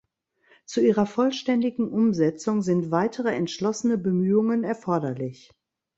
Zu ihrer vollständigen Umsetzung sind weitere entschlossene Bemühungen erforderlich.